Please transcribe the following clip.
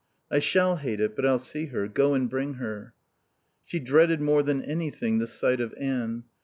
"I shall hate it. But I'll see her. Go and bring her." She dreaded more than anything the sight of Anne.